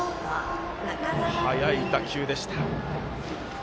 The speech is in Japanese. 速い打球でした。